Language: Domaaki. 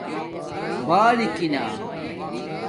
باراکینا